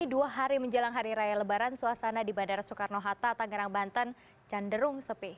dua hari menjelang hari raya lebaran suasana di bandara soekarno hatta tangerang banten cenderung sepi